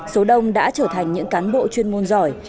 số đông đã trở thành những cán bộ chuyên môn giỏi